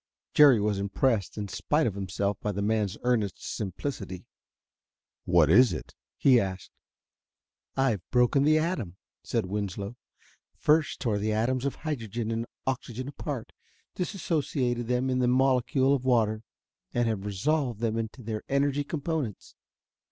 Jerry was impressed in spite of himself by the man's earnest simplicity. "What is it?" he asked. "I've broken the atom," said Winslow. "First tore the atoms of hydrogen and oxygen apart dissociated them in the molecule of water and have resolved them into their energy components.